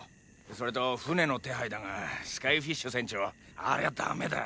それと船の手配だがスカイフィッシュ船長ありゃだめだ。